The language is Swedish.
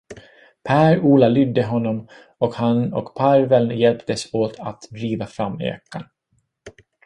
Per Ola lydde honom, och han och parveln hjälptes åt att driva fram ekan.